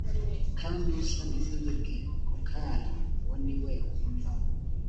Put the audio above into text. kandi usa n izibibwe ku kara uwo ni we wumva